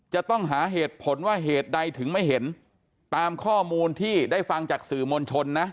จะต้องหาเหตุผลว่าเหตุใดถึงไม่เห็นตามข้อมูลที่ได้ฟังจากสื่อมวลชนนะ